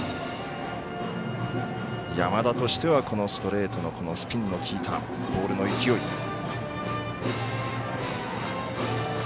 山田としてはこのストレートのスピンの利いたボールの勢い。